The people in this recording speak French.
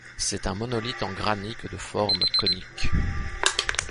C'est un monolithe en granite de forme conique.